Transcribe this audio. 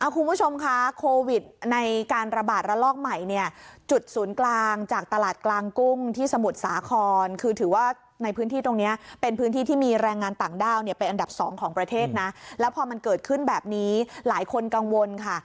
คุณผู้ชมคะโควิดในการระบาดระลอกใหม่เนี่ยจุดศูนย์กลางจากตลาดกลางกุ้งที่สมุทรสาครคือถือว่าในพื้นที่ตรงนี้เป็นพื้นที่ที่มีแรงงานต่างด้าวเนี่ยเป็นอันดับสองของประเทศนะแล้วพอมันเกิดขึ้นแบบนี้หลายคนกังวลค่ะ